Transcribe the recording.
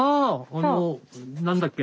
あの何だっけ？